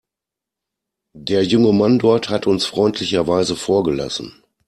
Der junge Mann dort hat uns freundlicherweise vorgelassen.